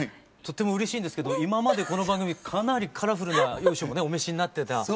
とってもうれしいんですけど今までこの番組かなりカラフルな衣装もねお召しになってた。